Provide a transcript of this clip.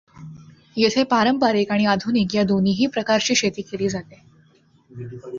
येथे पारंपारिक आणि आधुनिक या दोन्हीही प्रकारची शेती केली जाते.